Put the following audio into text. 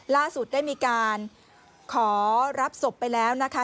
ล่าสุดได้มีการขอรับศพไปแล้วนะคะ